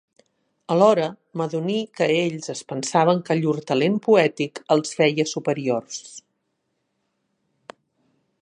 Alhora m'adoní que ells es pensaven que llur talent poètic els feia superiors